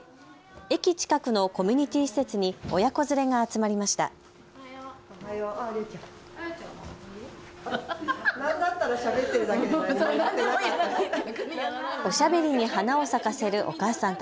駅近くのコミュニティー施設に親子連れが集まりました。